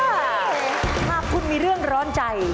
ถ้าเพื่อนคุณมีเรื่องร้อนใจ